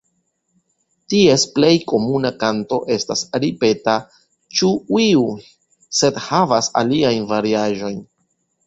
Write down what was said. Ties plej komuna kanto estas ripeta "ĉu-ŭii" sed havas aliajn variaĵojn.